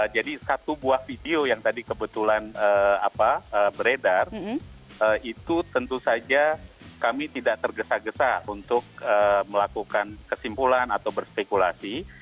jadi satu buah video yang tadi kebetulan beredar itu tentu saja kami tidak tergesa gesa untuk melakukan kesimpulan atau berspekulasi